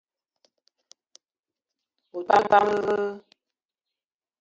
Ou te pam vé?